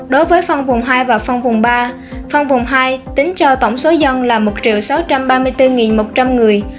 đối với phong vùng hai và phong vùng ba phong vùng hai tính cho tổng số dân là một sáu trăm ba mươi bốn một trăm linh người